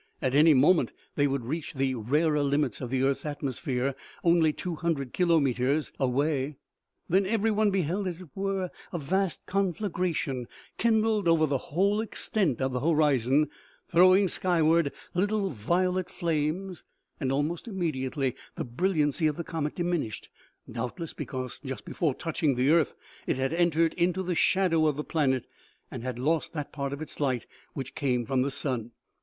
At any moment they would reach the rarer limits of the earth's atmosphere, only two hundred kilometers away. Then everyone beheld, as it were, a vast conflagration, kindled over the whole extent of the horizon, throwing skyward little violet flames, and almost immediately the brilliancy of the comet diminished, doubtless because just before touching the earth it had entered into the shadow of the planet and had lost that part of its light which came from the sun.